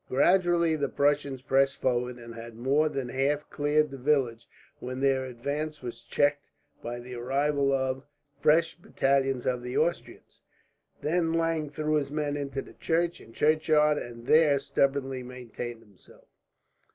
Gradually the Prussians pressed forward, and had more than half cleared the village when their advance was checked by the arrival of fresh battalions of the Austrians. Then Lange threw his men into the church and churchyard, and there stubbornly maintained himself.